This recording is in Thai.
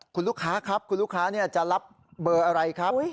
คุณลูกค้าจะรับเบอร์อะไรครับ